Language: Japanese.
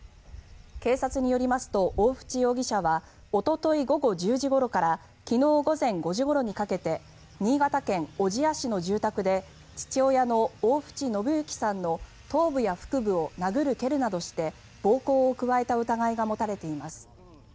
警察によりますと大渕容疑者は一昨日午後１０時ごろから昨日午前５時ごろにかけて新潟県小千谷市の住宅で父親の大渕信行さんの頭部や腹部を殴る蹴るなどして暴行を加えた疑いが持たれています。